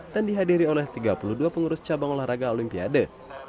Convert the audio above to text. dan dihadiri oleh tiga puluh dua pengurus cabang olahraga olimpiade